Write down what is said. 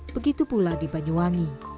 begitu pula di banyuwangi